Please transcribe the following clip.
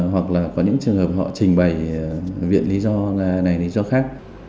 hoặc là có những trường hợp họ trình bày viện lý do này lý do khác